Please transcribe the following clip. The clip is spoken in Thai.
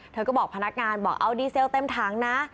เธอก็บอกพนักงานบอกเอาดีเซลเต็มถังนะ